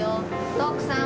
徳さん。